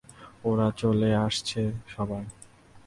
ওরা চলে আসছে সবাই!